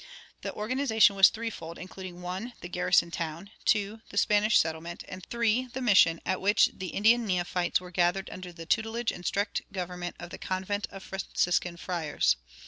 The organization was threefold, including (1) the garrison town, (2) the Spanish settlement, and (3) the mission, at which the Indian neophytes were gathered under the tutelage and strict government of the convent of Franciscan friars.